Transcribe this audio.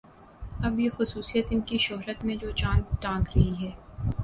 اب یہ خصوصیت ان کی شہرت میں جو چاند ٹانک رہی ہے